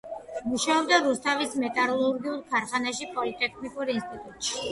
მუშაობდა რუსთავის მეტალურგიულ ქარხანაში, პოლიტექნიკურ ინსტიტუტში.